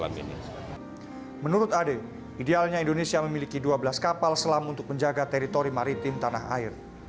menurut ade idealnya indonesia memiliki dua belas kapal selam untuk menjaga teritori maritim tanah air